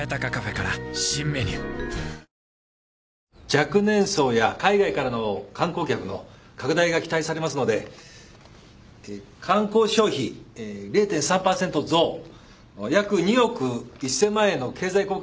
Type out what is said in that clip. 若年層や海外からの観光客の拡大が期待されますので観光消費０．３％増約２億１，０００万円の経済効果があると考えられます。